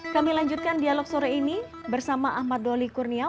kami lanjutkan dialog sore ini bersama ahmad doli kurnia